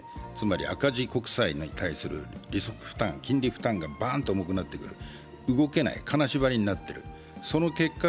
財政が、つまり赤字国債に対する利息負担、金利負担がバンと重くなってくる、動けない、金縛りになってる。